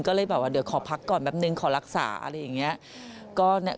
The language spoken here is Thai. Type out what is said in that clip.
ก็เลยแบบว่าเดี๋ยวขอพักก่อนแป๊บนึงขอรักษาอะไรอย่างนี้